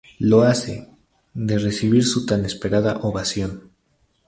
Lo hace, de recibir su tan esperada ovación.